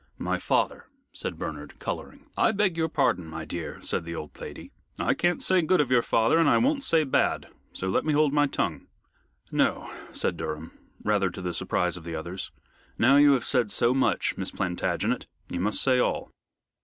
"My father," said Bernard, coloring. "I beg your pardon, my dear," said the old lady. "I can't say good of your father, and I won't say bad, so let me hold my tongue." "No," said Durham, rather to the surprise of the others. "Now you have said so much, Miss Plantagenet, you must say all."